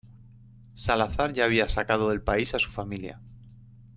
Salazar ya había sacado del país a su familia.